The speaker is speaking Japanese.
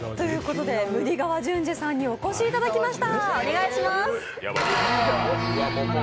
ムディ川淳二さんにお越しいただきました。